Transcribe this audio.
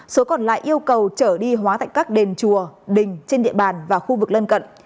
số còn lại yêu cầu trở đi hóa tại các đền chùa đình trên địa bàn và khu vực lân cận